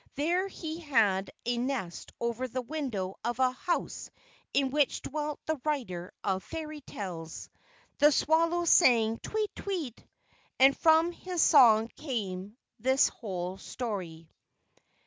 There he had a nest over the window of a house in which dwelt the writer of Fairy tales. The swallow sang, "Tweet! Tweet!" And from his song came this whole story.